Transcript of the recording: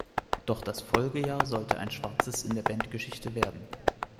Doch das Folgejahr sollte ein schwarzes in der Bandgeschichte werden.